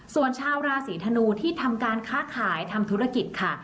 ส่วนชาวราศีธนูที่ทำการค้าขายทำธุรกิจค่ะ